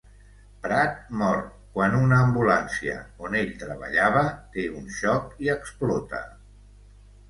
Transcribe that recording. Prat mor quan una ambulància on ell treballava té un xoc i explota.